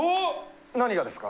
何がですか？